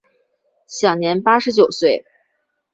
享年八十九岁。